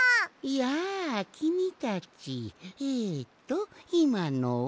やあきみたちえっといまのは？